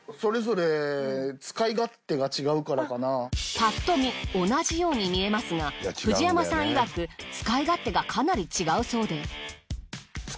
パッと見同じように見えますが藤山さんいわく使い勝手がかなり違うそうで。